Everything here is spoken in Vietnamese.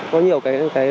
có nhiều cái